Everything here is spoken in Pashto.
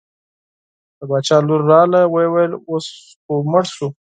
د باچا لور راغله وویل اوس خو مړ شو.